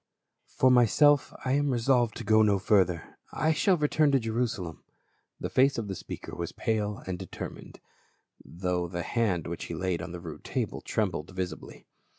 " TT^OR myself I am resolved to go no further; I JL shall return to Jerusalem." The face of the speaker was pale and determined, though the hand which he laid on the rude table trembled visibly.